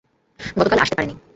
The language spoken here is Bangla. গতকাল আসতে পারিনি।